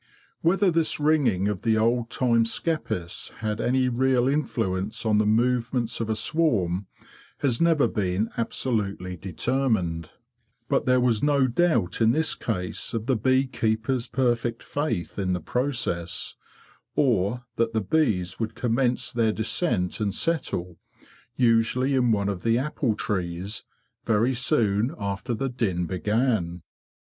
Whether this ringing of the old time skeppists had any real influence on the movements of a swarm has never been absolutely determined; but there was no doubt in this case of the bee keeper's perfect faith in the process, or that the bees would commence their descent and settle, usually in one of the apple trees, very soon after the din began.